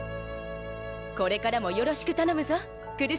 これからもよろしく頼むぞ来栖！